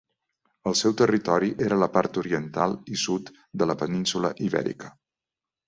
El seu territori era la part oriental i sud de la península Ibèrica.